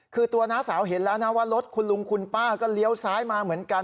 คือตัวน้าสาวเห็นแล้วนะว่ารถคุณลุงคุณป้าก็เลี้ยวซ้ายมาเหมือนกัน